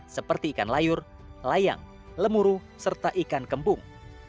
seperti ikan layur layang lemuru serta ikan kembung